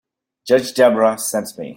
Judge Debra sent me.